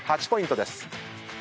８ポイントです。